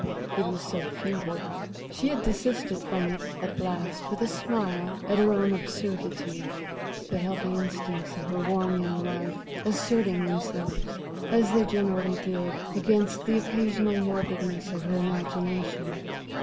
It was so futile, she had desisted from it at last with a smile at her own absurdity, the healthy instincts of her warm young life asserting themselves, as they generally did, against the occasional morbidness of her imagination.